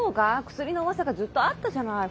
クスリのうわさがずっとあったじゃない？